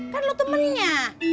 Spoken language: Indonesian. kan lu temennya